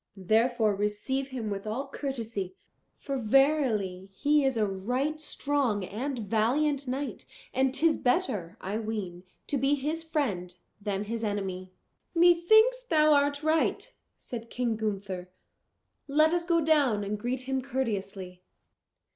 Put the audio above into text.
therefore receive him with all courtesy; for verily he is a right strong and valiant knight, and 'tis better, I ween, to be his friend than his enemy." "Methinks thou art right," said King Gunther. "Let us go down and greet him courteously."